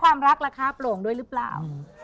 อารักละคร๊าบรวงด้วยหรือเปล่า